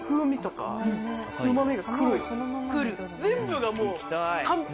全部がもう完璧！